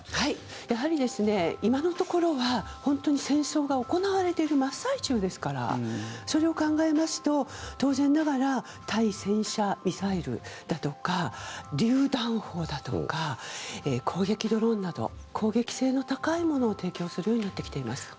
やはり、今のところは本当に戦争が行われている真っ最中ですからそれを考えますと当然ながら対戦車ミサイルだとかりゅう弾砲だとか攻撃ドローンなど攻撃性の高いものを提供するようになってきています。